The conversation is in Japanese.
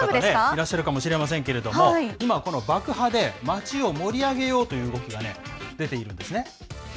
いらっしゃるかもしれませんけど、いま、この爆破で町盛り上げようという動きがね、出ているんですね。